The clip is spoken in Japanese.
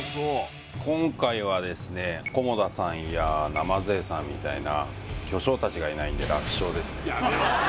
今回はですね菰田さんや鯰江さんみたいな巨匠達がいないんで楽勝ですね